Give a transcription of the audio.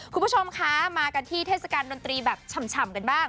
คุณผู้ชมคะมากันที่เทศกาลดนตรีแบบฉ่ำกันบ้าง